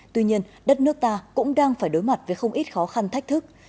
tuy nhiên đất nước ta cũng đang phải đối mặt với không ít khó khăn thách thức